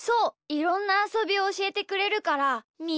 いろんなあそびをおしえてくれるからみ